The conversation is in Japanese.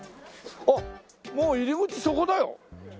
あっもう入り口そこだよ。